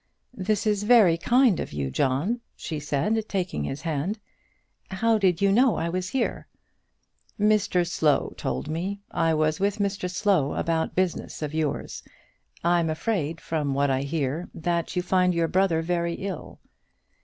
"This is very kind of you, John," she said, taking his hand. "How did you know I was here?" "Mr Slow told me. I was with Mr Slow about business of yours. I'm afraid from what I hear that you find your brother very ill."